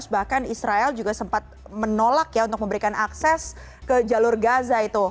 bahkan israel juga sempat menolak ya untuk memberikan akses ke jalur gaza itu